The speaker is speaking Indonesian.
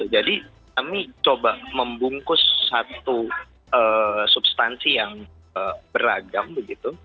jadi kami coba membungkus satu substansi yang beragam begitu